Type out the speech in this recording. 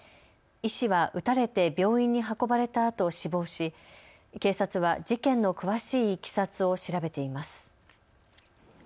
医師は撃たれて病院に運ばれたあと死亡し警察は事件の詳しいいきさつを調べています。